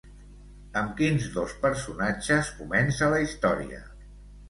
Amb quins dos personatges comença la història?